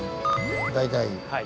大体。